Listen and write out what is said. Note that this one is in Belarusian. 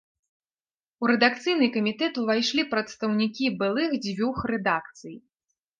У рэдакцыйны камітэт увайшлі прадстаўнікі былых дзвюх рэдакцый.